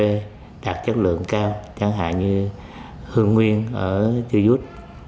cà phê đạt chất lượng cao chẳng hạn như hương nguyên ở chiêu dút